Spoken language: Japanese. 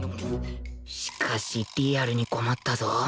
しかしリアルに困ったぞ